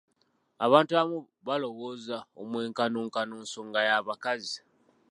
Abantu abamu balowooza omwenkanonkano nsonga ya bakazi.